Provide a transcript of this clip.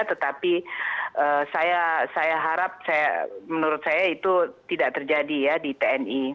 tetapi saya harap menurut saya itu tidak terjadi ya di tni